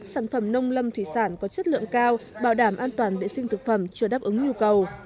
sản phẩm nông lâm thủy sản có chất lượng cao bảo đảm an toàn vệ sinh thực phẩm chưa đáp ứng nhu cầu